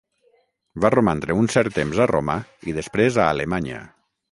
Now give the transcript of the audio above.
Va romandre un cert temps a Roma i després a Alemanya.